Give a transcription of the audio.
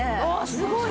すごい！